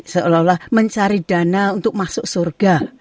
seolah olah mencari dana untuk masuk surga